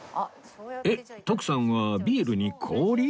えっ徳さんはビールに氷？